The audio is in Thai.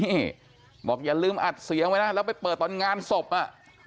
นี่บอกอย่าลืมอัดเสียงไว้นะแล้วไปเปิดตอนงานศพอ่ะ